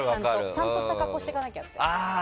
ちゃんとした格好して行かなきゃって。